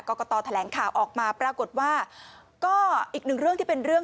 กตแถลงข่าวออกมาปรากฏว่าก็อีกหนึ่งเรื่องที่เป็นเรื่อง